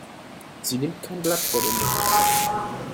Sie nimmt kein Blatt vor den Mund.